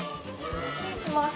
失礼します。